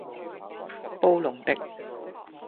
布隆迪